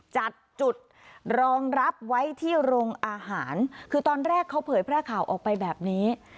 จัดจุดรองรับไว้ที่โรงอาหารคือตอนแรกเขาเผยแพร่ข่าวออกไปแบบนี้